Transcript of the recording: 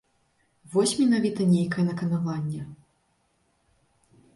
Вось менавіта нейкае наканаванне.